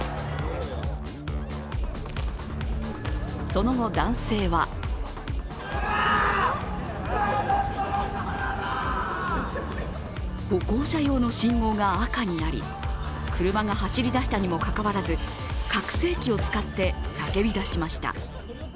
その後、男性は歩行者用の信号が赤になり車が走り出したにもかかわらず拡声器を使って叫びだしました。